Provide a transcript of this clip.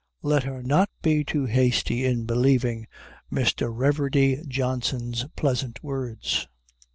Let her not be too hasty in believing Mr. Reverdy Johnson's pleasant words.